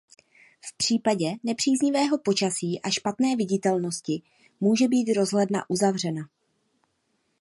V případě nepříznivého počasí a špatné viditelnosti může být rozhledna uzavřena.